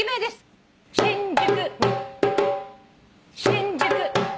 新宿。